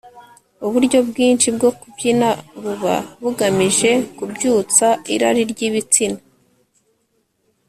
uburyo bwinshi bwo kubyina buba bugamije kubyutsa irari ry ibitsina